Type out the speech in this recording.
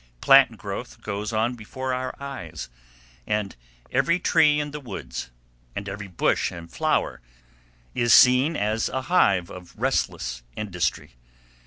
Plant growth goes on before our eyes, and every tree in the woods, and every bush and flower is seen as a hive of restless industry.